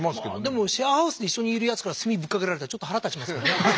でもシェアハウスで一緒にいるやつから墨ぶっかけられたらちょっと腹立ちますけどね。